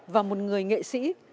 và một người nghệ sĩ